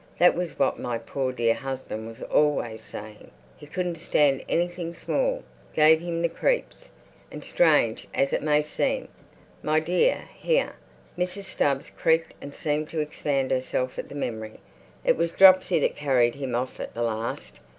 That was what my poor dear husband was always saying. He couldn't stand anything small. Gave him the creeps. And, strange as it may seem, my dear"—here Mrs. Stubbs creaked and seemed to expand herself at the memory—"it was dropsy that carried him off at the larst.